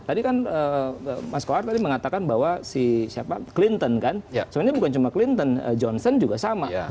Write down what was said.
tadi kan mas koar tadi mengatakan bahwa si siapa clinton kan sebenarnya bukan cuma clinton johnson juga sama